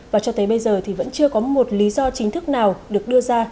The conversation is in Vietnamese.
và cho tới bây giờ thì vẫn chưa có một lý do chính thức nào được đưa ra